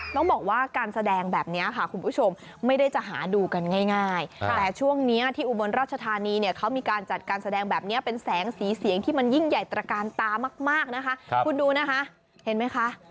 ต้องบอกว่าการแสดงแบบนี้ค่ะคุณผู้ชมไม่ได้จะหาดูกันง่ายแต่ช่วงนี้ที่อุบลราชธานีเนี่ยเขามีการจัดการแสดงแบบนี้เป็นแสงสีเสียงที่มันยิ่งใหญ่ตระการตามากนะคะคุณดูนะคะเห็นไหมคะ